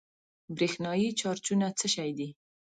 برېښنايي چارجونه څه شی دي؟